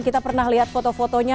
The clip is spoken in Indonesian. kita pernah lihat foto fotonya